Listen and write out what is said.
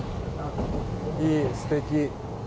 いい、すてき。